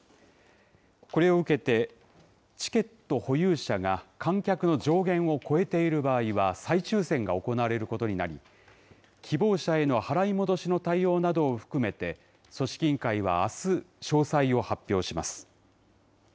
これを受けて、チケット保有者が観客の上限を超えている場合は再抽せんが行われることになり、希望者への払い戻しの対応などを含めて、組織委員会はあす、詳細を発表します。